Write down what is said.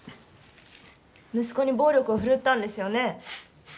息子に暴力を振るったんですよね？